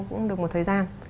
cũng được một thời gian